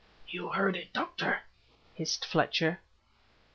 "You heard it, Doctor!" hissed Fletcher.